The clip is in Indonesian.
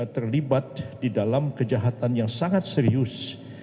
terlibat di dalam kejahatan yang sangat serius